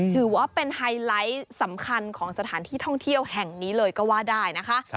ถือว่าเป็นไฮไลท์สำคัญของสถานที่ท่องเที่ยวแห่งนี้เลยก็ว่าได้นะคะ